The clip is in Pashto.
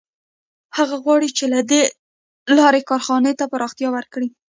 هغه غواړي چې له دې لارې کارخانې ته پراختیا ورکړي